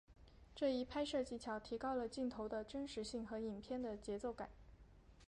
这一拍摄技巧提高了镜头的真实性和影片的节奏感。